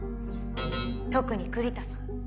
特に栗田さん。